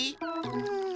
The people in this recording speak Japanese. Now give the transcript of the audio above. うん。